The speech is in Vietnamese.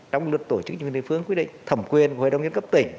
trong luật tổ chức chính quyền địa phương quy định thẩm quyền hội đồng nhân cấp tỉnh